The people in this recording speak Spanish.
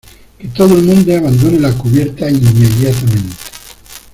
que todo el mundo abandone la cubierta inmediatamente.